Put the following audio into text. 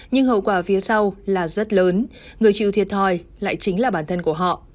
nhưng hậu quả phía sau là rất lớn người chịu thiệt thòi lại chính là bản thân của họ